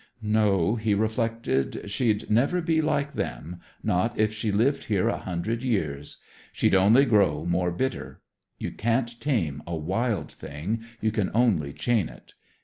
"No," he reflected; "she'd never be like them, not if she lived here a hundred years. She'd only grow more bitter. You can't tame a wild thing; you can only chain it.